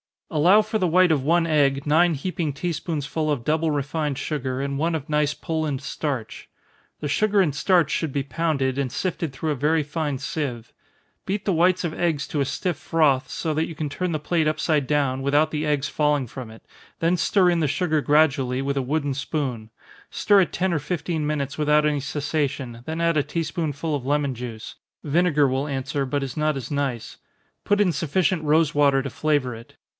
_ Allow for the white of one egg nine heaping tea spoonsful of double refined sugar, and one of nice Poland starch. The sugar and starch should be pounded, and sifted through a very fine sieve. Beat the whites of eggs to a stiff froth, so that you can turn the plate upside down, without the eggs falling from it then stir in the sugar gradually, with a wooden spoon stir it ten or fifteen minutes without any cessation then add a tea spoonful of lemon juice, (vinegar will answer, but is not as nice) put in sufficient rosewater to flavor it.